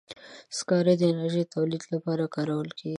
سکاره د انرژي تولید لپاره کارول کېږي.